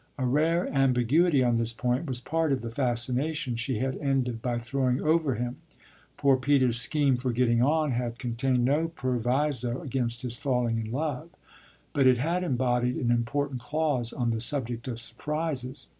A rare ambiguity on this point was part of the fascination she had ended by throwing over him. Poor Peter's scheme for getting on had contained no proviso against his falling in love, but it had embodied an important clause on the subject of surprises.